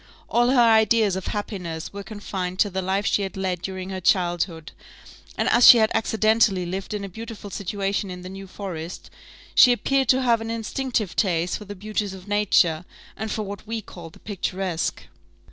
All her ideas of happiness were confined to the life she had led during her childhood; and as she had accidentally lived in a beautiful situation in the New Forest, she appeared to have an instinctive taste for the beauties of nature, and for what we call the picturesque.